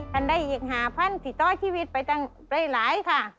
ทันได้อีก๕๐๐๐ศิษย์ชีวิตไปได้หลายค่ะ